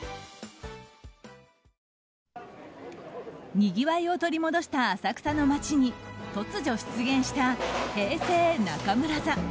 にぎわいを取り戻した浅草の街に突如出現した「平成中村座」。